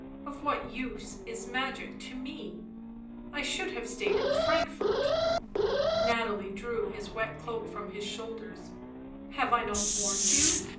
" Of what use magic to me ? I should have stayed in Frankfort." Nathalie drew his wet cloak from his shoulders. " Have I not warned you